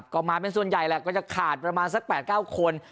ก็มาเป็นส่วนใหญ่แหละก็จะขาดประมาณสัก๘๙คน